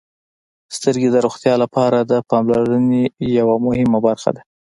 • سترګې د روغتیا لپاره د پاملرنې یوه مهمه برخه ده.